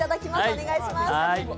お願いします。